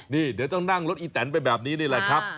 นี่เดี๋ยวต้องนั่งรถอีแตนไปแบบนี้นี่แหละครับ